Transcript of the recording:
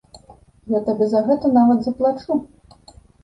Я табе за гэта нават заплачу.